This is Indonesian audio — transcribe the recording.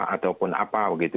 ataupun apa begitu